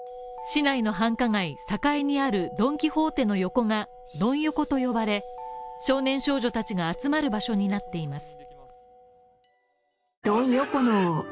市内の繁華街栄にあるドン・キホーテの横がドン横と呼ばれ少年少女たちが集まる場所になっています